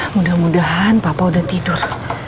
mudah mudahan papa udah tidur